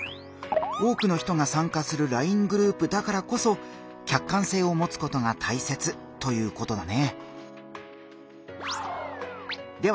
多くの人が参加するＬＩＮＥグループだからこそ客観性をもつことがたいせつということだね。